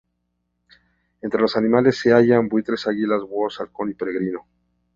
Entre los animales se hallan: buitres, águilas, búhos, halcón peregrino.